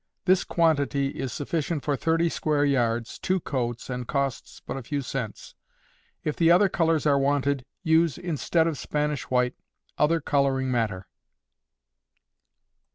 This quantity is sufficient for thirty square yards, two coats, and costs but a few cents. If the other colors are wanted, use, instead of Spanish white, other coloring matter.